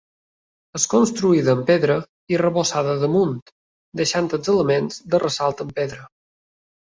És construïda amb pedra i arrebossada al damunt, deixant els elements de ressalt amb pedra.